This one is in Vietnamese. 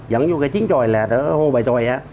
dẫn vô cái chiến tròi là hô bài tròi